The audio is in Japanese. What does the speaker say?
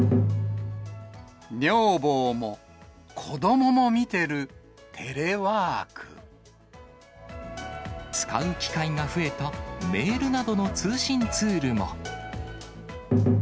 女房も子供も見てる照れワー使う機会が増えたメールなどの通信ツールも。